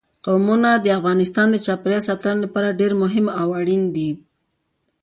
قومونه د افغانستان د چاپیریال ساتنې لپاره ډېر مهم او اړین دي.